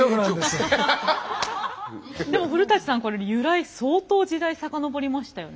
でも古さんこれ由来相当時代遡りましたよね。